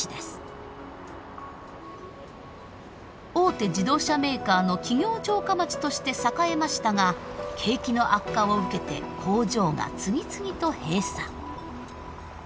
大手自動車メーカーの企業城下町として栄えましたが景気の悪化を受けて工場が次々と閉鎖。